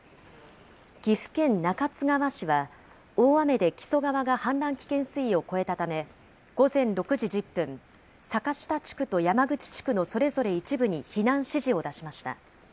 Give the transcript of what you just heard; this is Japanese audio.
岐阜県中津川市は、大雨で木曽川が氾濫危険水位を超えたため、午前６時１０分、坂下地区と山口地区のそれぞれ一部に避難指示を出しました。